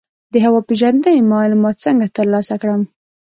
د هوا پیژندنې معلومات څنګه ترلاسه کړم؟